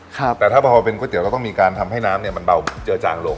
แต่ถ้าพอเป็นก๋วเตี๋เราต้องมีการทำให้น้ำเนี่ยมันเบาเจือจางลง